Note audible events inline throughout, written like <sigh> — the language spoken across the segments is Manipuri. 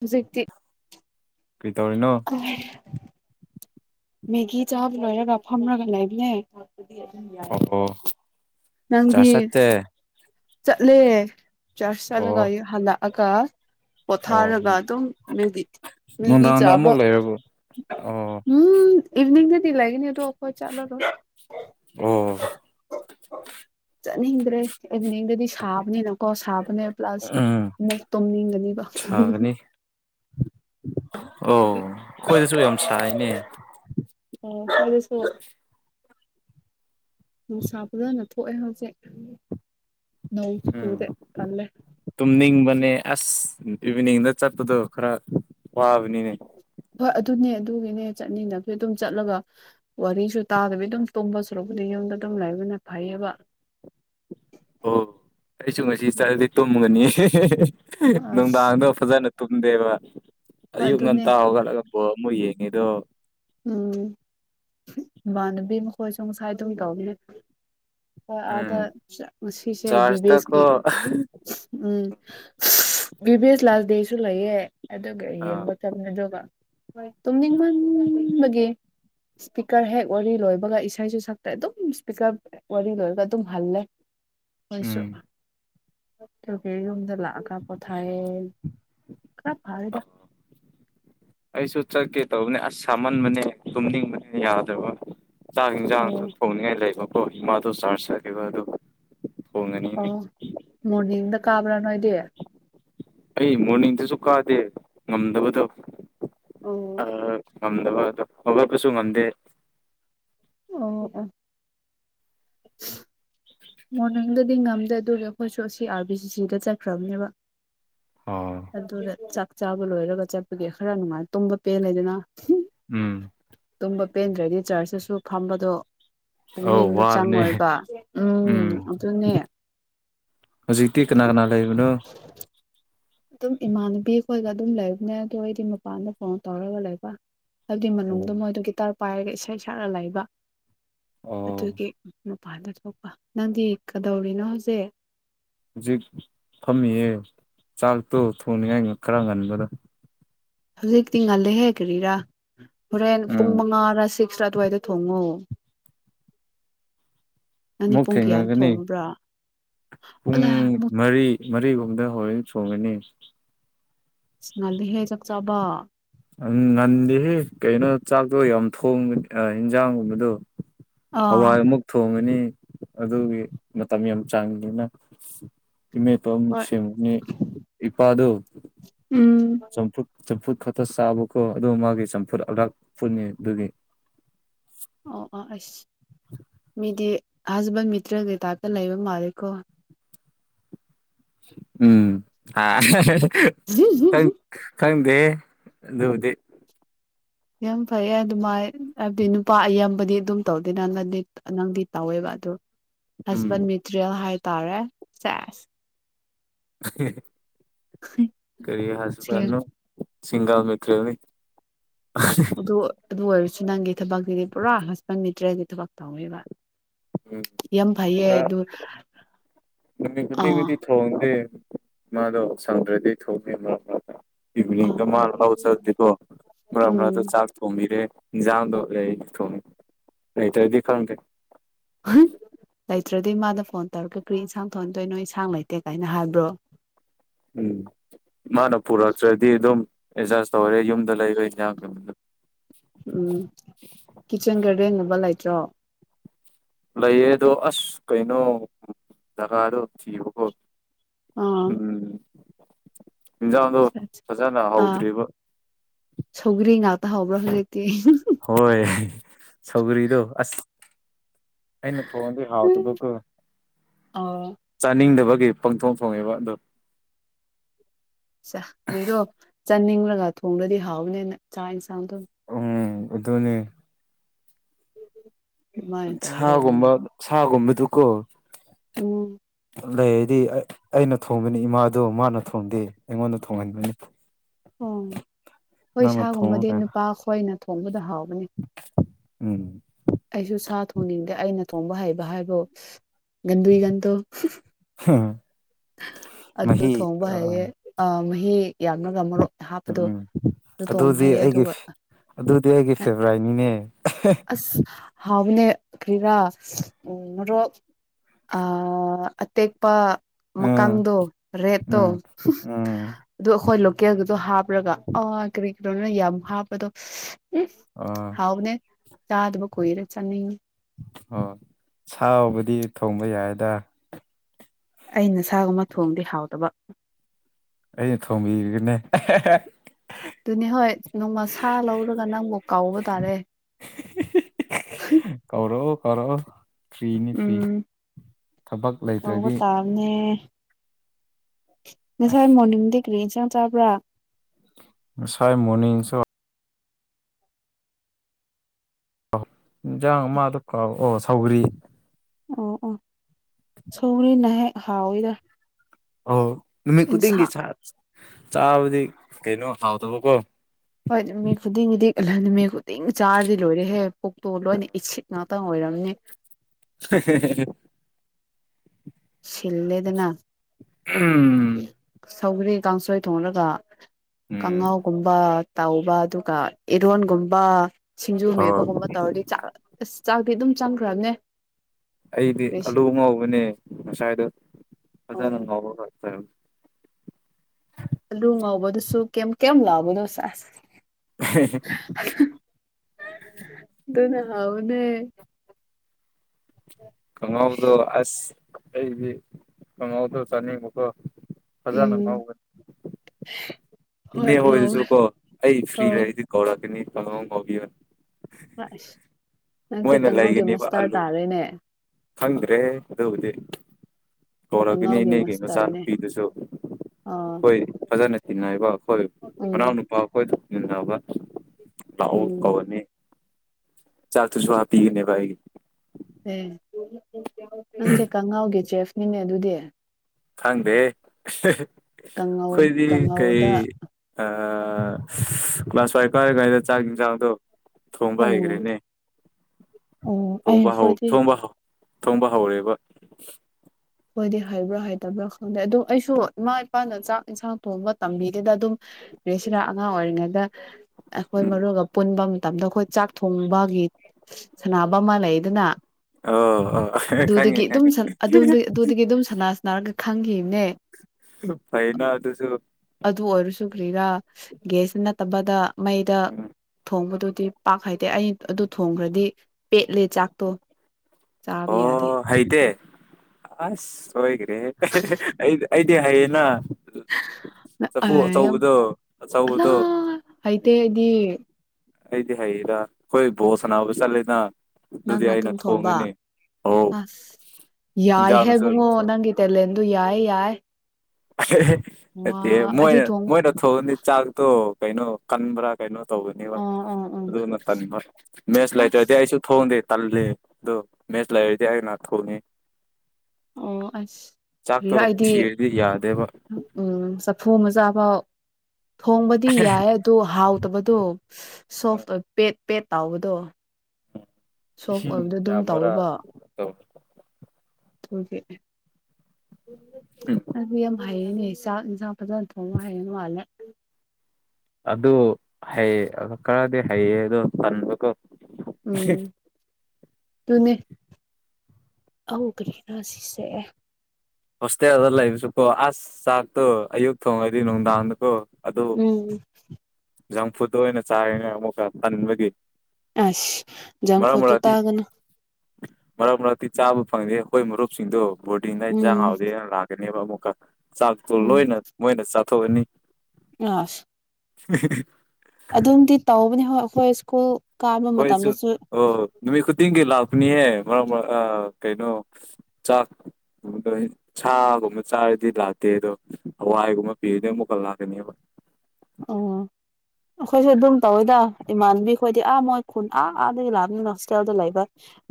ꯍꯨꯖꯤꯛꯇꯤ ꯀ꯭ꯔꯤ ꯇꯧꯔꯤꯅꯣ ꯃꯦꯒꯤ ꯆꯥꯕ ꯂꯣꯏꯔꯒ ꯐꯝꯔꯒ ꯂꯩꯕꯅꯦ ꯑꯣ ꯅꯪꯗꯤ ꯆꯥꯔꯖ ꯆꯠꯇꯦ ꯆꯠꯂꯦ ꯆꯔꯖ ꯆꯠꯂꯒ ꯑꯣ ꯍꯜꯂꯛꯑꯒ ꯑꯣ ꯄꯣꯊꯥꯔꯒ ꯑꯗꯨꯝ ꯃꯦꯗꯤ ꯃꯦꯒꯤ ꯅꯨꯡꯗꯥꯡꯗ ꯆꯥꯕ ꯑꯃꯨꯛ ꯂꯩꯔꯕꯣ ꯑꯣ ꯁꯤ ꯂꯩꯒꯅꯤ ꯑꯗꯣ ꯍꯣꯏ ꯆꯠꯂꯥꯔꯣꯏ ꯑꯣ ꯆꯠꯅꯤꯡꯗ꯭ꯔꯦ ꯅꯤꯡꯗꯗꯤ ꯁꯥꯕꯅꯤꯅꯀꯣ ꯁꯥꯕꯅꯦ ꯄ꯭ꯂꯁ ꯎꯝ ꯑꯃꯨꯛ ꯇꯨꯝꯅꯤꯡꯒꯅꯤꯕ ꯑꯧ ꯑꯗꯨꯒꯤ ꯑꯩꯈꯣꯏꯗꯁꯨ ꯌꯥꯝ ꯁꯥꯏꯅꯦ <unintelligible> ꯅꯨꯡꯁꯥ ꯐꯖꯟꯅ ꯊꯣꯛꯑꯦ ꯍꯧꯖꯤꯛ ꯅꯣꯡꯁꯨ ꯎꯝ ꯆꯨꯗꯦ ꯇꯜꯂꯦ ꯇꯨꯝꯅꯤꯡꯕꯅꯦ ꯑꯁ ꯏꯚꯤꯅꯤꯡꯗ ꯆꯠꯄꯗꯣ ꯈꯔ ꯋꯥꯕꯅꯤꯅꯦ ꯍꯣꯏ ꯑꯗꯨꯅꯦ ꯑꯗꯨꯒꯤꯅꯦ ꯆꯠꯅꯤꯡꯗꯕꯗꯤ ꯑꯗꯨꯝ ꯆꯠꯂꯒ ꯋꯥꯔꯤꯁꯨ ꯇꯥꯗꯕꯤ ꯑꯗꯨꯝ ꯇꯨꯝꯕ ꯁꯔꯨꯛ ꯄꯨꯗꯤ ꯌꯨꯝꯗ ꯑꯗꯨꯝ ꯂꯩꯕꯅ ꯐꯩꯌꯦꯕ ꯑꯣ ꯑꯩꯁꯨ ꯉꯁꯤ ꯆꯠꯂꯗꯤ ꯇꯨꯝꯃꯨꯅꯤ ꯑꯁ ꯅꯨꯡꯗꯥꯡꯗꯣ ꯐꯖꯟꯅ ꯇꯨꯝꯗꯦꯕ ꯍꯣꯏ ꯑꯌꯨꯛ ꯑꯗꯨꯅꯦ ꯉꯟꯇ ꯍꯧꯒꯠꯂꯒ ꯕꯣꯜ ꯑꯃꯨꯛ ꯌꯦꯡꯉꯤꯗꯣ ꯎꯝ ꯏꯃꯥꯟꯅꯕꯤ ꯃꯈꯣꯏꯁꯨ ꯉꯁꯥꯏ ꯑꯗꯨꯝ ꯇꯧꯕꯅꯦ ꯍꯣꯏ ꯑꯗ ꯎꯝ ꯉꯥꯁꯤꯁꯦ ꯆꯥꯔꯖꯇꯀꯣ ꯕꯤꯕꯤꯌꯦꯁꯀꯤ ꯎꯝ <unintelligible> ꯕꯤꯕꯤꯌꯦꯁ ꯂꯥꯜꯗꯦꯁꯨ ꯂꯩꯌꯦ ꯑꯗꯨꯒ ꯑꯥ ꯌꯦꯡꯕ ꯆꯠꯄꯅꯦ ꯑꯗꯨꯒ ꯇꯨꯝꯅꯤꯡꯃꯟ <unintelligible> ꯁ꯭ꯄꯤꯀꯔ ꯍꯦꯛ ꯋꯥꯔꯤ ꯂꯣꯏꯕꯒ ꯏꯁꯩꯁꯨ ꯁꯛꯇꯦ ꯑꯗꯨꯝ ꯁ꯭ꯄꯤꯀꯔ ꯋꯥꯔꯤ ꯂꯣꯏꯔꯒ ꯑꯗꯨꯝ ꯍꯜꯂꯦ ꯋꯥꯏꯁꯨ ꯎꯝ ꯅꯠꯇ꯭ꯔꯒꯦ ꯌꯨꯝꯗ ꯂ ꯈꯒ꯭ꯔ ꯄꯣꯊꯥꯏꯌꯦ ꯈ꯭ꯔ ꯐꯔꯦꯗ ꯑꯩꯁꯨ ꯆꯠꯀꯦ ꯇꯧꯕꯅꯦ ꯑꯁ ꯁꯥꯃꯟꯕꯅꯦ ꯇꯨꯝꯅꯤꯡꯕꯅꯦ ꯌꯥꯗꯕ ꯆꯥꯛ ꯌꯦꯟꯖꯥꯡꯁꯨ ꯑꯣ ꯊꯣꯡꯅꯤꯡꯉꯥꯏ ꯂꯩꯕ ꯍꯣ ꯏꯃꯗꯣ ꯆꯥꯔꯖ ꯁꯥꯏ ꯏꯕꯗꯣ ꯑꯣ ꯃꯣꯔꯅꯤꯡꯗ ꯀꯥꯕ꯭ꯔꯥ ꯅꯣꯏꯗꯤ ꯑꯩ ꯃꯣꯔꯅꯤꯡꯗꯁꯨ ꯀꯥꯗꯦ ꯉꯝꯗꯕꯗꯣ ꯑꯣ ꯑꯥ ꯉꯝꯗꯕ ꯑꯗꯣ ꯍꯧꯒꯠꯄꯁꯨ ꯉꯝꯗꯦ ꯑꯣ ꯑ <inaudible> ꯃꯣꯔꯅꯤꯡꯗꯗꯤ ꯉꯝꯗꯦ ꯑꯗꯨꯒꯤ ꯑꯩꯈꯣꯏꯁꯨ ꯑꯁꯤ ꯑꯥꯔ ꯕꯤ ꯁꯤ ꯁꯤꯗ ꯆꯠꯈ꯭ꯔꯕꯅꯦꯕ ꯑꯣ ꯑꯗꯨꯗ ꯆꯥꯛ ꯆꯥꯕ ꯂꯣꯏꯔꯒ ꯆꯠꯄꯗꯤ ꯈꯔ ꯅꯨꯉꯥꯏ ꯇꯨꯝꯕ ꯄꯦꯜꯂꯦꯗꯅ ꯎꯝ ꯇꯨꯝꯕ ꯄꯦꯟꯗ꯭ꯔꯗꯤ ꯆꯔꯁꯇꯁꯨ ꯈꯝꯕꯗꯣ ꯑꯧ ꯄꯨꯛꯅꯤꯡꯗꯣ ꯋꯥꯕꯅꯦ ꯆꯪꯉꯣꯏꯕ ꯎꯝ ꯑꯗꯨꯅꯦ ꯍꯖꯤꯛꯇꯤ ꯑꯗꯨꯒꯤ ꯀꯅꯥꯅ ꯂꯩꯕꯅꯣ ꯑꯗꯨꯝ ꯏꯃꯥꯟꯅꯕꯤꯈꯣꯏꯒ ꯑꯗꯨꯝ ꯂꯩꯕꯅꯦ ꯑꯗꯣ ꯑꯩꯗꯤ ꯃꯄꯥꯟꯗ ꯐꯣꯟ ꯇꯧꯔꯒ ꯂꯩꯕ ꯑꯥꯗꯨꯏ ꯑꯣ ꯃꯅꯨꯡꯗ ꯃꯣꯏꯗꯣ ꯒꯤꯇꯔ ꯄꯥꯏꯔꯒ ꯏꯁꯩ ꯁꯛꯂ ꯂꯩꯕ ꯑꯣ ꯑꯗꯨꯒꯤ ꯃꯥꯄꯥꯥꯟꯗ ꯊꯣꯛꯄ ꯅꯪꯗꯤ ꯀꯗꯧꯔꯤꯅꯣ ꯍꯧꯖꯤꯛ ꯍꯨꯖꯤꯛ ꯐꯝꯃꯤꯌꯦ ꯆꯥꯛꯇꯣ ꯊꯣꯡꯅꯤꯉꯥꯏ ꯈꯔ ꯉꯟꯕꯗꯣ ꯍꯧꯖꯤꯛꯇꯤ ꯉꯜꯂꯦꯍꯦ ꯀꯔꯤꯔꯥ ꯍꯣꯔꯦꯟ ꯄꯨꯡ ꯎꯝ ꯃꯉꯥꯔ ꯁꯤ ꯁ꯭ꯇꯥꯔꯠꯋꯥꯏꯗ ꯊꯣꯡꯉꯣ ꯅꯪꯗꯤ ꯑꯃꯨꯛ ꯄꯨꯡ ꯀꯌꯥꯗ ꯊꯦꯡꯅꯒꯅꯤ ꯊꯣꯡꯕ꯭ꯔꯥ ꯄꯨꯡ ꯑꯂ ꯑꯃꯨꯛ ꯃꯔꯤ ꯃꯔꯤꯒꯨꯝꯗ ꯍꯣꯔꯦꯟ ꯆꯣꯡꯒꯅꯤ ꯏꯁ ꯉꯟꯂꯤꯍꯦ ꯆꯥꯛ ꯆꯥꯕ ꯑ ꯉꯟꯗꯦꯍꯦ ꯀꯩꯅꯣ ꯆꯥꯛꯇꯣ ꯌꯥꯝ ꯊꯣꯡꯕ ꯑ ꯍꯤꯟꯖꯥꯡꯒꯨꯝꯕꯗꯣ ꯑꯥ ꯍꯋꯥꯏ ꯑꯃꯨꯛ ꯊꯣꯡꯉꯅꯤ ꯑꯗꯨꯒꯤ ꯃꯇꯝ ꯌꯥꯝ ꯆꯥꯡꯅꯤꯅ ꯏꯃꯦꯐꯝ ꯍꯣꯏ ꯁꯦꯝꯕꯅꯤ ꯏꯄꯥꯗꯨ ꯎꯝ ꯆꯝꯐꯨꯠ ꯆꯐꯨꯠ ꯈꯛꯇ ꯆꯥꯕꯀꯣ ꯑꯗꯨ ꯃꯥꯒꯤ ꯆꯝꯐꯨꯠ ꯑꯔꯛ ꯐꯨꯠꯅꯤ ꯑꯗꯨꯒꯤ ꯑꯣ ꯑꯣ ꯑꯁ ꯃꯤꯗꯤ ꯍꯁꯕꯦꯟ ꯃꯤꯇ꯭ꯔꯦꯜ ꯒꯤ ꯇꯥꯏꯞꯇ ꯂꯩꯕ ꯃꯥꯜꯂꯤꯀꯣ ꯎꯝ ꯑꯥ <unintelligible> ꯈꯪ ꯈꯪꯗꯦꯍꯦ ꯑꯗꯨꯕꯨꯗꯤ ꯌꯥꯝ ꯐꯩ ꯑꯗꯨꯃꯥꯏ ꯍꯥꯏꯕꯗꯤ ꯅꯨꯄꯥ ꯑꯌꯥꯝꯕꯗꯤ ꯑꯗꯨꯝ ꯇꯧꯗꯦꯅ ꯅꯗꯤ ꯅꯪꯗꯤ ꯇꯧꯋꯦꯕ ꯑꯗꯨ ꯍꯁꯕꯦꯟ ꯎꯝ ꯃꯦꯇ꯭ꯔꯤꯌꯦꯜ ꯍꯥꯏ ꯇꯥꯔꯦ ꯁꯦꯁ <unintelligible> ꯀꯔꯤ ꯁꯦꯡ ꯍꯁꯕꯦꯟꯅꯣ ꯁꯤꯡꯒꯜ ꯃꯦꯇ꯭ꯔꯦꯜꯅꯤ ꯑꯗꯨ ꯑꯗꯨ ꯑꯣꯏꯔꯁꯨ ꯅꯪꯒꯤ ꯊꯕꯛꯇꯗꯤ ꯄꯨꯔꯥ ꯍꯁꯕꯦꯟ ꯃꯦꯇ꯭ꯔꯦꯜꯒꯤ ꯊꯕꯛ ꯇꯧꯋꯦꯕ ꯎꯝ ꯌꯥꯝ ꯐꯩꯌꯦ ꯈꯔ ꯑꯗꯨ ꯅꯨꯃꯤꯠ ꯑꯥ ꯈꯨꯗꯤꯡꯒꯤꯗꯤ ꯊꯣꯡꯗꯦ ꯃꯥꯗꯣ ꯁꯪꯗ꯭ꯔꯗꯤ ꯊꯣꯡꯉꯦ ꯃꯔꯛ ꯃꯔꯛꯇ ꯑꯧ ꯏꯚꯤꯅꯤꯡꯗ ꯃꯥ ꯑꯧ ꯂꯧ ꯆꯠꯂꯗꯤꯀꯣ ꯃꯔꯛ ꯎꯝ ꯃꯔꯛꯇ ꯆꯥꯛ ꯊꯣꯡꯕꯤꯔꯦ ꯍꯤꯟꯖꯥꯡꯗꯣ ꯂꯩꯔꯗꯤ ꯊꯣꯡꯉꯤ ꯂꯩꯇ꯭ꯔꯗꯤ ꯈꯪꯗꯦ <unintelligible> ꯂꯩꯇ꯭ꯔꯗꯤ ꯏꯃꯥꯗ ꯐꯣꯟ ꯇꯧꯔꯒ ꯀ꯭ꯔꯤ ꯏꯟꯁꯥꯡ ꯊꯣꯟꯗꯣꯏꯅꯣ ꯏꯟꯁꯥꯡ ꯂꯩ ꯎꯝ ꯃꯥꯅ ꯄꯨꯔꯛꯇ꯭ꯔꯗꯤ ꯑꯗꯨꯝ ꯑꯦꯖꯁ ꯇꯧꯔꯦ ꯌꯨꯝꯗ ꯂꯩꯕ ꯏꯟꯖꯥꯡꯗꯣ ꯎꯝ ꯀꯤꯠꯆꯟ ꯒꯥꯔꯗꯦꯟ ꯒꯨꯝꯕ ꯂꯩꯇ꯭ꯔꯣ ꯂꯩꯥꯏꯌꯦꯗꯣ ꯑꯁ ꯀꯩꯅꯣ ꯖꯒꯥꯗꯣ ꯊꯤꯕꯀꯣ ꯑꯥ ꯎꯝ ꯏꯟꯖꯥꯡꯗꯣ ꯐꯖꯅ ꯑꯥ ꯍꯥꯥꯥꯎꯗ꯭ꯔꯤꯕ ꯁꯧꯒ꯭ꯔꯤ ꯉꯥꯛꯇ ꯍꯧꯕ꯭ꯔꯥ ꯍꯧꯖꯤꯛꯇꯤ <unintelligible> ꯍꯣꯏ ꯁꯧꯒ꯭ꯔꯤꯗꯣ ꯑꯁ ꯑꯩꯅ ꯊꯣꯡꯉꯗꯤ ꯍꯥꯎꯗꯕꯀꯣ ꯑꯣ ꯆꯥꯅꯤꯡꯗꯕ ꯒꯤ ꯄꯪꯊꯣꯡ ꯊꯣꯡꯉꯦꯕ ꯑꯗꯨ ꯆ ꯀꯔꯤꯔꯣ ꯆꯥꯅꯤꯡꯂꯒ ꯊꯣꯡꯂꯗꯤ ꯍꯥꯎꯕꯅꯤꯅ ꯆꯥꯛ ꯏꯟꯁꯥꯡ ꯗꯨꯝ ꯑꯗꯨꯅꯤ ꯑꯗꯨꯃꯥꯏꯅ ꯇꯧꯒꯗꯕꯅꯦ ꯁꯥꯒꯨꯝꯕ ꯁꯥꯒꯨꯝꯕꯗꯨ ꯀꯣ ꯎꯝ ꯂꯩꯔꯗꯤ ꯑꯩꯅ ꯊꯣꯡꯕꯅꯤ ꯏꯃꯥꯗꯣ ꯃꯥꯅ ꯊꯣꯡꯗꯦ ꯑꯩꯉꯣꯟꯗ ꯊꯣꯡꯍꯟꯕꯅꯤ ꯎꯡ ꯍꯣꯏ ꯅꯪꯅ ꯁꯥꯒꯨꯝꯕꯗꯤ ꯊꯣꯡꯉꯒ ꯅꯨꯄꯥ ꯈꯣꯏꯅ ꯊꯣꯡꯕꯗ ꯍꯥꯎ ꯎꯝ ꯑꯩꯁꯨ ꯁꯥ ꯊꯣꯡꯅꯤꯡꯗꯦ ꯑꯩꯅ ꯊꯣꯡꯕ ꯍꯩꯕ ꯍꯥꯏꯕꯣ ꯒꯟꯗꯨꯏꯒꯟꯗꯣ ꯎꯡ ꯑꯗꯨ ꯊꯣꯡꯕ ꯍꯩꯌꯦ ꯑ ꯃꯍꯤ ꯌꯥꯝꯔꯒ ꯃꯔꯣꯛ ꯎꯝ ꯍꯥꯞꯄꯗꯣ ꯎꯝ ꯑꯗꯨ ꯊꯣꯡꯕ ꯑꯗꯨꯗꯤ ꯍꯩꯌꯦ ꯑꯩꯒꯤ ꯑꯗꯨꯒ ꯑꯗꯨꯗꯤ ꯑꯩꯒꯤ ꯐꯦꯕ꯭ꯔꯥꯏꯠꯅꯤꯅꯦ ꯑꯁ ꯍ ꯍꯥꯎꯕꯅꯦ ꯀ꯭ꯔꯤꯔꯥ ꯎꯝ ꯃꯣꯔꯣꯛ ꯑꯥ ꯑꯇꯦꯛꯄ ꯎꯝ ꯃꯀꯪꯗꯣ ꯔꯦꯠ ꯇꯣ ꯎꯝ <unintelligible> ꯎꯝ ꯑꯗꯨ ꯑꯩꯈꯣꯏ ꯂꯣꯀꯦꯜꯒꯤꯗꯣ ꯍꯥꯞꯔꯒ ꯑ ꯀꯔꯤ ꯗꯣꯔꯅ ꯌꯥꯝ ꯍꯥꯞꯄꯗꯣ ꯎꯝ ꯑꯣ ꯍꯥꯎꯕꯅꯦ ꯆꯥꯗꯕ ꯀꯨꯏꯔꯦ ꯆꯥꯅꯤꯡꯉꯦ ꯑꯥ ꯁꯥꯎꯕꯨꯗꯤ ꯊꯣꯡꯕ ꯌꯥꯏꯌꯦꯗ ꯑꯩꯅ ꯁꯥꯒꯨꯝꯕ ꯊꯣꯡꯔꯗꯤ ꯍꯥꯎꯇꯕ ꯑꯩꯅ ꯊꯣꯝꯕꯤꯔꯒꯅꯦ <unintelligible> ꯑꯗꯨꯅꯤ ꯍꯣꯏ ꯅꯣꯡꯃ ꯁꯥ ꯂꯧꯔꯒ ꯅꯪꯕꯨ ꯀꯥꯎꯕ ꯇꯥꯔꯦ <unintelligible> ꯀꯧꯔꯣ ꯀꯧꯔꯛꯑꯣ ꯐ꯭ꯔꯤꯅꯤ ꯐ꯭ꯔꯤ ꯎꯝ ꯊꯕꯛ ꯀꯧꯕ ꯂꯩꯇ꯭ꯔꯗꯤ ꯇꯥꯕꯅꯦ ꯉꯁꯥꯏ ꯃꯣꯔꯅꯤꯡꯗꯤ ꯀ꯭ꯔꯤ ꯏꯟꯁꯥꯡ ꯆꯥꯕ꯭ꯔꯥ ꯉꯁꯥꯏ ꯃꯣꯔꯅꯤꯡ ꯁꯨ ꯑ ꯏꯟꯖꯥꯡ ꯑꯃꯗꯨ ꯀꯥꯎꯕ ꯑꯣ ꯁꯧꯒ꯭ꯔꯤ ꯑꯣ ꯑꯣ ꯁꯧꯒ꯭ꯔꯤꯅ ꯍꯦꯛ ꯍꯥꯎꯋꯤꯗ ꯑꯣꯥꯧ ꯅꯨꯃꯤꯠ ꯈꯨꯗꯤꯡꯒꯤ ꯏꯟꯁꯥꯡ ꯁꯥ ꯆꯥꯕꯗꯤ ꯀꯩꯅꯣ ꯍꯥꯎꯇꯕꯀꯣ ꯍꯣꯏ ꯅꯨꯃꯤꯠ ꯈꯨꯗꯤꯡꯒꯤꯗꯤ ꯅꯨꯃꯤꯠ ꯈꯨꯗꯤꯡ ꯆꯥꯔꯗꯤ ꯂꯣꯏꯔꯦꯍꯦ ꯄꯨꯛꯇꯣ ꯂꯣꯏꯅ ꯏꯁꯤꯠ ꯉꯥꯛꯇ ꯑꯣꯏ ꯔꯝꯅꯤ <unintelligible> ꯁꯤꯜꯂꯦꯗꯅ <unintelligible> ꯁꯧꯒ꯭ꯔꯤ ꯀꯥꯡꯁꯣꯏ ꯊꯣꯡꯔꯒ ꯀꯥꯡꯍꯧꯒꯨꯝꯕ ꯇꯧꯕ ꯑꯗꯨꯒ ꯏꯔꯣꯟꯒꯨꯝꯕ ꯁꯤꯡꯖꯨ ꯃꯦꯠꯄꯒꯨꯝꯕ ꯇꯧꯔꯗꯤ ꯆꯥ ꯑꯁ ꯆꯥꯛꯇꯤ ꯑꯗꯨꯝ ꯆꯪꯈ꯭ꯔꯝꯅꯦ ꯑꯩꯗꯤ ꯑꯂꯨ ꯉꯧꯕꯅꯦ ꯉꯁꯥꯏꯗꯣ ꯑꯣ ꯐꯖꯟꯅ ꯉꯧꯔꯒ ꯑꯂꯨ ꯉꯧꯕꯗꯨꯁꯨ ꯀꯦꯝ ꯀꯦꯝ ꯂꯥꯎꯕꯗꯣ ꯁꯦꯁ ꯍꯦ ꯍꯦ <unintelligible> ꯑꯗꯨꯅ ꯍꯥꯎꯕꯅꯦ ꯀꯥꯡꯉꯧꯗꯣ ꯑꯁ ꯑꯩꯗꯤ ꯀꯥꯡꯍꯧꯗꯣ ꯆꯥꯅꯤꯡꯕꯀꯣ ꯐꯖꯅ ꯎꯝ ꯉꯧꯒꯅꯤ ꯍꯣꯏ ꯏꯅꯦ ꯍꯣꯏꯗꯁꯨ ꯍꯥꯎꯋꯦ ꯀꯣ ꯑꯩ ꯐ꯭ꯔꯤ ꯑꯣ ꯂꯩꯔꯗꯤ ꯀꯧꯔꯛꯀꯅꯤ ꯀꯥꯡꯍꯧ ꯉꯥꯎꯕꯤꯌꯣꯅ ꯑꯁ ꯅꯪꯁꯦ ꯀꯥꯡꯉꯧꯒꯤ ꯃꯁꯇꯔ ꯇꯥꯔꯦꯅꯦ ꯈꯪꯗ꯭ꯔꯦꯍꯦ ꯑꯗꯨꯕꯨꯗꯤ ꯀꯧꯔꯡꯛꯒꯅꯤ ꯀꯥꯡꯉꯧꯒꯤ ꯏꯅꯦꯒꯤ ꯃꯁꯇꯔꯅꯦ ꯃꯆꯥꯅꯨꯄꯤꯗꯨꯁꯨ ꯑꯥ ꯈꯣꯏ ꯐꯖꯥꯅ ꯇꯤꯟꯅꯩꯕ ꯑꯈꯣꯢ ꯎꯝ ꯃꯅꯥꯎꯅꯨꯄꯥ ꯈꯣꯏꯗꯣ ꯇꯤꯟꯅꯕ ꯂꯥꯛꯑꯣ ꯎꯝ ꯀꯧꯔꯅꯤ ꯆꯥꯛ ꯇꯨꯁꯨ ꯍꯞꯄꯤꯒꯅꯦꯕꯥ ꯑꯩꯒꯤ ꯑꯦ ꯅꯪꯁꯦ ꯀꯪꯉꯥꯎꯒꯤ ꯆꯦꯐꯅꯤꯅꯦ ꯑꯗꯨꯗꯤ ꯈꯡꯗꯦ ꯑꯍꯦ ꯍꯦ ꯀꯥꯡꯉꯧ ꯑꯩꯈꯣꯏꯗꯤ ꯀꯩ ꯀꯥꯡꯉꯧꯗ ꯑꯥ ꯑꯥ ꯀ꯭ꯂꯥꯁ ꯐꯥꯏꯚ ꯀꯥꯏꯔꯤꯀꯥꯟꯗ ꯆꯥꯛ ꯌꯦꯟꯁꯥꯡꯗꯣ ꯊꯣꯡꯕ ꯑꯣ ꯍꯥꯏꯒ꯭ꯔꯦꯅꯦ ꯑꯩ ꯊꯣꯡꯕ ꯍꯧ ꯑꯩꯈꯣꯏꯗꯤ ꯊꯣꯡꯕ ꯍꯧ ꯊꯣꯡꯕ ꯍꯧꯔꯦꯕ ꯍꯣꯏꯗꯤ ꯍꯩꯕ꯭ꯔꯥ ꯍꯩꯇꯕ꯭ꯔꯥ ꯈꯪꯗꯦ ꯑꯗꯨ ꯑꯩꯁꯨ ꯏꯃꯥ ꯏꯄꯥꯅ ꯆꯥꯛ ꯏꯟꯁꯥꯡ ꯊꯣꯡꯕ ꯇꯝꯕꯤꯗꯦꯗ ꯑꯗꯨꯝ ꯍꯥꯏꯁꯤꯔ ꯑꯉꯥꯡ ꯑꯣꯏꯔꯤꯉꯩꯗ ꯑꯩꯈꯣꯏ ꯎꯝ ꯃꯔꯨꯒ ꯄꯨꯟꯕ ꯃꯇꯝꯗ ꯑꯩꯈꯣꯏ ꯆꯥꯛ ꯊꯣꯡꯕꯒꯤ ꯁꯅꯕ ꯑꯃ ꯂꯩꯗꯅ ꯑꯣ ꯑꯣ ꯈꯪꯉꯦ ꯑꯗꯨꯗꯒꯤ ꯑꯗꯨꯝ ꯈꯪꯉꯦ ꯑꯗꯨꯗꯤ ꯑꯗꯨꯗꯒꯤ ꯑꯗꯨꯝ ꯁꯅꯥ ꯁꯅꯥꯔꯒ ꯈꯪꯈꯤ ꯅꯦ ꯐꯩꯅ ꯑꯗꯨꯁꯨ ꯑꯗꯨ ꯑꯣꯏꯔꯁꯨ ꯀ꯭ꯔꯤꯔꯥ ꯒꯦꯁ ꯅꯠ ꯇꯞꯄꯗꯥ ꯃꯩꯗ ꯎꯝ ꯊꯣꯡꯕꯗꯨꯗꯤ ꯄꯥꯛ ꯍꯩꯇꯦ ꯑꯩ ꯑꯗꯨ ꯊꯣꯡꯒ꯭ꯔꯗꯤ ꯄꯦꯠꯂꯦ ꯆꯥꯛꯇꯣ ꯆꯥꯕ ꯌꯥꯗꯦ ꯑꯣ ꯍꯩꯇꯦ ꯑꯁ ꯁꯣꯏꯒꯔ꯭ꯦꯍꯦ ꯑꯩ ꯑꯩꯗꯤ ꯍꯩꯌꯦꯅꯥ ꯆꯐꯨ ꯌꯥꯝ ꯑꯆꯧꯕꯗꯣ ꯑꯂꯥ ꯑꯆꯧꯕꯗꯣ ꯍꯩꯇꯦ ꯑꯩꯗꯤ ꯑꯩꯗꯤ ꯍꯩꯗ ꯑꯈꯣꯏ ꯕꯣꯜ ꯁꯥꯅꯕ ꯆꯠꯂꯤꯅꯥ ꯅꯪ ꯑꯇꯨꯝ ꯊꯣꯡꯕ ꯑꯧ ꯑꯁ ꯌꯥꯏꯍꯦ ꯏꯟꯖꯥꯡꯁꯨ ꯏꯕꯨꯡꯉꯣ ꯅꯪꯒꯤ ꯇꯂꯦꯟꯗꯨ ꯌꯥꯏ ꯌꯥꯏ ꯍꯦ ꯍꯦ ꯋꯥ ꯅꯠꯇꯦꯍꯦ ꯑꯩꯗꯤ ꯃꯣꯏꯅ ꯊꯣꯡ ꯃꯣꯏꯅ ꯊꯣꯡꯑꯗꯤ ꯆꯥꯛꯇꯣ ꯀꯩꯅꯣ ꯀꯟꯕ꯭ꯔꯥ ꯀꯩꯅꯣ ꯇꯧꯒꯅꯦꯕ ꯑꯣ ꯑꯣ ꯑꯣ ꯑꯗꯨꯅ ꯇꯟꯕꯥ ꯃꯦꯁ ꯑꯁ ꯂꯩꯥꯏꯇ꯭ꯔꯗꯤ ꯑꯩꯁꯨ ꯊꯣꯡꯗꯦ ꯇꯜꯂꯦ ꯑꯗꯣ ꯃꯦꯆ ꯂꯩꯔꯗꯤ ꯑꯩꯅ ꯊꯣꯡꯅꯤ ꯑꯣ ꯑꯁ ꯀꯥꯔꯤꯔꯥ ꯑꯩꯗꯤ ꯊꯤꯔꯗꯤ ꯌꯥꯗꯦꯕ ꯎꯝ ꯆꯐꯨ ꯃꯆꯥꯥꯐꯥꯎ ꯊꯣꯡꯕꯗꯤ ꯌꯥꯏ ꯑꯗꯨ ꯍꯥꯎꯇꯕꯗꯣ ꯁꯣꯐ ꯑꯣꯏ ꯄꯦꯠ ꯄꯦꯠ ꯇꯥꯎꯕꯗꯣ ꯁꯣꯐ ꯏꯁꯤꯡ ꯑꯣꯏꯕꯗꯣ ꯑꯗꯨꯝ ꯌꯥꯝꯕꯔꯥ ꯇꯧꯋꯦꯕ ꯇꯧ ꯑꯗꯨꯒꯤ ꯎꯝ ꯑꯩꯗꯤ ꯌꯥꯝ ꯍꯩꯌꯦꯅꯦ ꯆꯥꯛ ꯏꯟꯖꯥꯡ ꯐꯖꯅꯥ ꯊꯣꯡꯕ ꯍꯩꯕꯥ ꯃꯥꯜꯂꯦ ꯑꯗꯨ ꯍꯩ ꯈꯔꯗꯤ ꯍꯩꯌꯦ ꯑꯗꯣ ꯇꯟꯕꯀꯣ ꯎꯝ ꯇꯨꯅꯦ ꯑꯧ ꯀꯔꯤꯔ ꯁꯤꯁꯦ ꯍꯣꯁꯇꯦꯜꯗ ꯂꯩꯕꯁꯨ ꯀꯣ ꯑꯁ ꯆꯥꯛꯇꯣ ꯑꯌꯨꯛ ꯊꯣꯡꯉꯗꯤ ꯅꯨꯡꯗꯥꯡꯗ ꯀꯣ ꯎꯝ ꯖꯪ ꯐꯨꯠ ꯑꯣꯏꯅ ꯆꯥꯔꯦꯅ ꯑꯃꯨꯛꯀ ꯇꯟꯕꯒꯤ ꯑꯁ ꯖꯪ ꯃꯔꯛ ꯐꯨꯠ ꯇꯨ ꯃꯔꯛꯇꯤ ꯇꯥꯒꯅꯨ ꯃꯔꯛ ꯃꯔꯛꯇꯤ ꯆꯥꯕ ꯐꯪꯗꯦ ꯑꯩꯈꯣꯏ ꯃꯔꯨꯞꯁꯤꯡꯗꯣ ꯕꯣꯔꯗꯤꯡꯗ ꯏꯟꯖꯥꯡ ꯎꯝ ꯍꯥꯎꯗꯦꯅ ꯂꯥꯛꯀ ꯅꯦꯕ ꯑꯃꯨꯛꯀ ꯆꯥꯛꯇꯣ ꯎꯝ ꯂꯣꯏꯅ ꯃꯣꯏꯅ ꯆꯥꯊꯣꯛꯑꯅꯤ ꯑꯁ ꯑꯍꯤꯍꯤ ꯑꯗꯨꯝꯗꯤ ꯇꯧꯕꯅꯤ ꯍꯣꯢ ꯑꯩꯈꯣꯏ ꯁ꯭ꯀꯨꯜ ꯀꯥꯕ ꯍꯣꯏꯁꯨ ꯃꯇꯝꯗꯁꯨ ꯑꯣ ꯅꯨꯃꯤꯠ ꯈꯨꯗꯤꯡ ꯈꯨꯗꯤꯡꯒꯤ ꯂꯥꯛꯄꯅꯤꯍꯦ ꯃꯔꯛ ꯑꯥ ꯀꯩꯅꯣ ꯆꯥꯛ ꯑꯥ ꯁꯥ ꯒꯨꯝꯕ ꯆꯥꯔꯗꯤ ꯂꯥꯛꯇꯦ ꯑꯗꯣ ꯍꯋꯥꯏꯒꯨꯝꯕ ꯄꯤꯔꯗꯤ ꯑꯃꯨꯛꯀ ꯂꯥꯛꯀꯅꯤꯕ ꯑꯣ ꯑꯈꯣꯏꯁꯨ ꯑꯗꯨꯝ ꯇꯧꯋꯦꯗ ꯏꯃꯥꯟꯅꯕꯤ ꯈꯣꯏꯗꯤ ꯑꯥ ꯃꯣꯏ ꯈꯨꯟ ꯑꯥ ꯑꯥꯗꯒꯤ ꯂꯥꯛꯄꯅꯤꯅ ꯍꯣꯁꯇꯦꯜꯗ ꯂꯩꯕ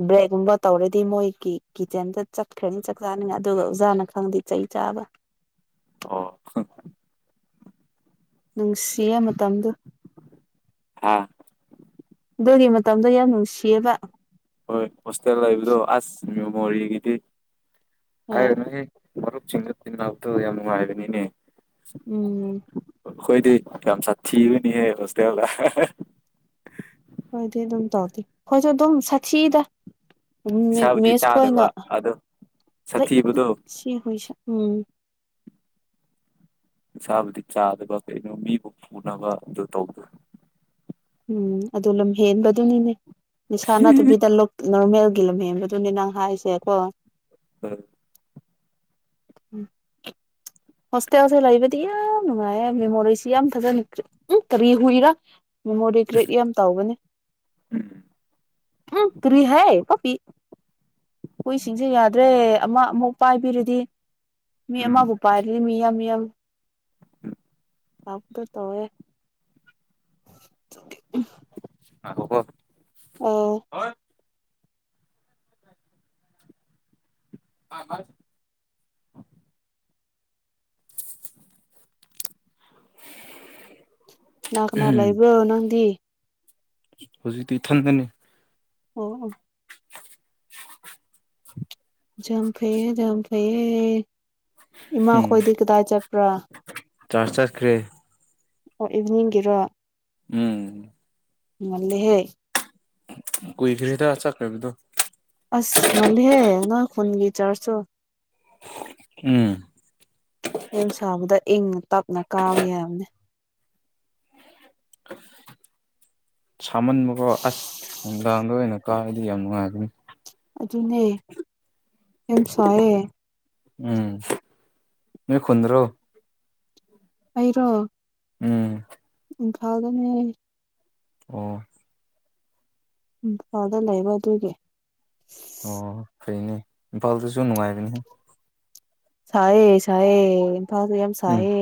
ꯕ꯭ꯔꯦꯗꯒꯨꯝꯕ ꯇꯧꯔꯗꯤ ꯃꯣꯏꯒꯤ ꯀꯤꯠꯆꯦꯟꯗ ꯆꯠꯈ꯭ꯔꯅꯤ ꯆꯥꯛ ꯆꯥꯅꯤ ꯑꯗꯨꯒ ꯑꯣꯖꯥꯅ ꯈꯪꯉꯗꯤ ꯆꯩ ꯆꯥꯕ <inaudible> ꯑꯣ ꯅꯨꯡꯁꯤꯌꯦ ꯃꯇꯝꯗꯨ ꯑꯝ ꯑꯗꯨꯒꯤ ꯃꯇꯝꯗꯣ ꯌꯥꯝ ꯅꯨꯡꯁꯤꯌꯦꯕ ꯍꯣꯏ ꯍꯣꯁꯇꯦꯜ ꯂꯩꯕꯗꯣ ꯑꯁ ꯃꯦꯃꯣꯔꯤꯒꯤꯗꯤ ꯍꯣꯏ ꯍꯥꯏꯔꯅꯨ ꯍꯦ ꯃꯔꯨꯞ ꯁꯤꯡꯒ ꯇꯤꯟꯅꯕꯗꯣ ꯌꯥꯝ ꯅꯨꯡꯉꯥꯏꯕꯅꯤ ꯅꯦ ꯎꯝ ꯑꯈꯣꯏꯗꯤ ꯌꯥꯝ ꯁꯥꯊꯤꯕꯅꯤꯍꯦ ꯍꯣꯁꯇꯦꯜꯗ ꯍꯣꯏꯗꯤ ꯑꯗꯨꯝ ꯇꯧꯗꯦ ꯑꯈꯣꯏꯁꯨ ꯑꯗꯨꯝ ꯁꯥꯊꯤꯗ ꯏꯁꯥꯕꯨꯗꯤ ꯃꯦꯁ ꯈꯣꯏꯅ ꯆꯥꯗꯕ ꯑꯗꯣ ꯂꯩ ꯁꯥꯊꯤꯕꯗꯣ ꯁꯤ ꯍꯣꯏꯁꯦ ꯎꯝ ꯅꯤꯁꯥꯕꯨꯗꯤ ꯆꯥꯗꯕ ꯀꯩꯅꯣ ꯃꯤꯕꯨ ꯐꯨꯅꯕ ꯑꯗꯨ ꯇꯧꯕ ꯎꯝ ꯑꯗꯨ ꯂꯝ ꯍꯦꯟꯕꯗꯨꯅꯤꯅꯦ ꯅꯤꯁꯥ ꯅꯥꯠꯇꯕꯤꯗ ꯅꯣꯔꯃꯦꯜꯒꯤ ꯂꯝꯍꯦꯟꯕꯗꯨꯅꯦ ꯅꯪ ꯍꯥꯏꯁꯦꯀꯣ ꯎꯝ ꯎꯝ ꯍꯣꯁꯇꯦꯜ ꯁꯨ ꯂꯩꯕꯗꯤ ꯌꯥꯝ ꯅꯨꯡꯉꯥꯏ ꯌꯦ ꯃꯦꯃꯣꯔꯤꯁꯤ ꯌꯥꯝ ꯐꯖꯅ ꯎ ꯀꯔꯤ ꯍꯨꯏꯔꯥ ꯃꯦꯃꯣꯔꯤ ꯀ꯭ꯔꯤꯠ ꯌꯥꯝ ꯇꯧꯒꯅꯤ ꯎꯝ ꯀ꯭ꯔꯤꯍꯦ ꯄꯞꯄꯤ ꯍꯨꯏꯁꯤꯡꯁꯦ ꯌꯥꯗ꯭ꯔꯦ ꯑꯃ ꯑꯃꯨꯛ ꯄꯥꯏꯕꯤꯔꯗꯤ ꯃꯤ ꯎꯝ ꯑꯃꯕꯨ ꯄꯥꯏꯔꯗꯤ ꯃꯤ ꯌꯥꯝ ꯌꯥꯝ ꯎꯝ <unintelligible> ꯇꯧꯋꯦ ꯉꯥꯏꯈꯣꯀꯣ ꯑꯣ ꯍꯣꯏ <unintelligible> <unintelligible> ꯀꯅꯥ ꯀꯅꯥ ꯎꯝ ꯂꯩꯕꯔꯣ ꯅꯪꯗꯤ ꯍꯧꯖꯤꯛꯇꯤ ꯏꯊꯟꯗꯅꯤ ꯑꯣꯑꯣ ꯖꯥꯝ ꯐꯩꯌꯦ ꯌꯥꯝ ꯐꯩꯌꯦ ꯏꯃꯥ ꯈꯣꯏꯗꯤ ꯀꯗꯥꯏ ꯆꯠꯄ꯭ꯔꯥ ꯆꯔꯁ ꯆꯠꯈ꯭ꯔꯦ ꯑꯣ ꯏꯚꯤꯅꯤꯡꯒꯤꯔꯣ ꯎꯝ ꯉꯜꯂꯦꯍꯦ ꯀꯨꯏꯗꯔꯤꯗ ꯆꯠꯈ꯭ꯔꯕꯗꯣ ꯑꯁ ꯉꯂꯤꯍꯦ ꯅꯣꯏ ꯈꯨꯨꯟꯒꯤ ꯆꯔꯁꯇꯨ ꯎꯝ ꯌꯥꯝ ꯁꯥꯕꯨꯗꯤ ꯏꯪꯅ ꯇꯞꯅ ꯀꯥꯕ ꯌꯥꯕꯅꯤ ꯁꯥꯃꯟꯕꯀꯣ ꯑꯁ ꯅꯨꯡꯗꯥꯡꯗ ꯑꯣꯏꯅ ꯀꯥꯔꯗꯤ ꯌꯥꯝ ꯅꯨꯡꯉꯥꯏꯒꯅꯤ ꯑꯗꯨꯅꯦ ꯌꯥꯝ ꯁꯥꯌꯦ ꯎꯝ ꯅꯣꯏ ꯈꯨꯟꯗ꯭ꯔꯣ ꯑꯩꯔꯣ ꯎꯝ ꯏꯝꯐꯥꯜꯗꯅꯦ ꯑꯣ ꯏꯝꯐꯥꯜꯗ ꯂꯩꯕ ꯑꯗꯨꯒꯤ ꯑꯣ ꯐꯩꯅꯦ ꯏꯝꯐꯥꯜꯗꯁꯨ ꯅꯨꯡꯉꯥꯏꯕꯅꯤꯍꯦ ꯁꯥꯌꯦ ꯁꯥꯌꯦ ꯏꯝꯐꯥꯜꯁꯨ ꯌꯥꯝ ꯎꯝ ꯁꯥꯌꯦ